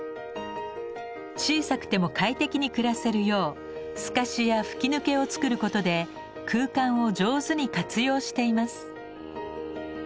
小さくても快適に暮らせるよう透かしや吹き抜けを作ることで空間を上手に活用しています。